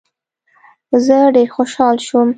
زه ډېر خوشاله شوم.